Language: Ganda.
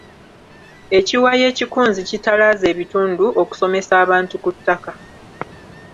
Ekiwayi ekikunzi kitalaaze ebitundu okusomesa abantu ku ttaka.